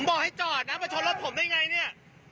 บอกให้จอดนะมาชนรถผมได้ไงเนี่ย